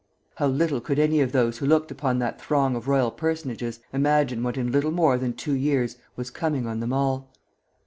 ] How little could any of those who looked upon that throng of royal personages imagine what in little more than two years was coming on them all!